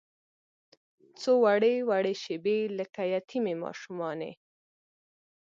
څووړې، وړې شیبې لکه یتیمې ماشومانې